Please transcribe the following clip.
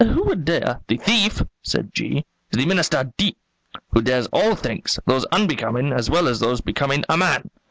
Who would dare " "The thief," said G , "is the Minister D , who dares all things, those unbecoming as well as those becoming a man.